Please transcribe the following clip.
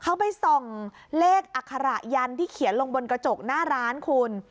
เขาไปส่องเลขอัคระยันที่เขียนลงบนกระจกหน้าร้านคุณ